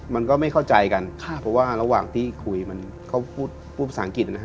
มันก็ไม่เข้าใจกันเพราะว่าระหว่างที่คุยมันก็พูดพูดภาษาอังกฤษนะฮะ